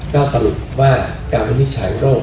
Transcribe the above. ก็สรุปว่าการไม่มีที่ใช้โรค